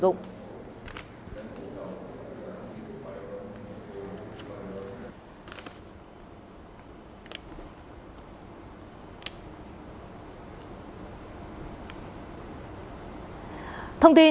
thông tin truyền thông báo